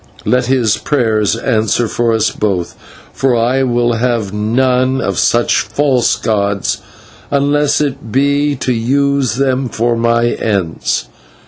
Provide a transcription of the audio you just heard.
Let his prayers answer for us both, for I will have none of such false gods, unless it be to use them for my ends.